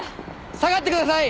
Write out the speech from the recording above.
下がってください！